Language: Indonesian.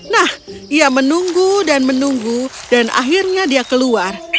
nah ia menunggu dan menunggu dan akhirnya dia keluar